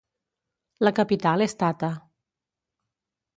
La capital és Tata.